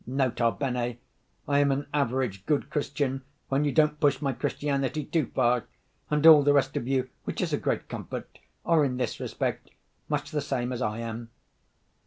(Nota bene:—I am an average good Christian, when you don't push my Christianity too far. And all the rest of you—which is a great comfort—are, in this respect, much the same as I am.)